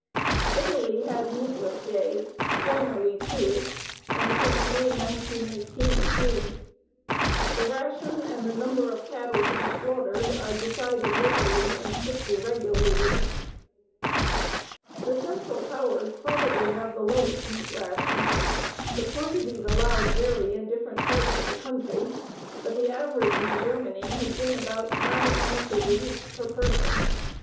Italy has meatless days, formerly 2, and since May, 1918, 3. The ration and the number of cattle to be slaughtered are decided locally and strictly regulated. The Central Powers probably have the lowest meat ration. The quantities allowed vary in different parts of the country, but the average in Germany has been about 9 ounces a week per person.